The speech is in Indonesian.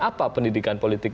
apa pendidikan politik